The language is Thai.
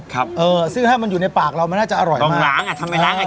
ครับเออซึ่งถ้ามันอยู่ในปากเรามันน่าจะอร่อยต้องล้างอ่ะทำไมล้างอ่ะ